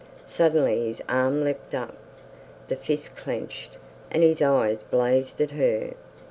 Suddenly his arm leapt up, the fist clenched, and his eyes blazed at her.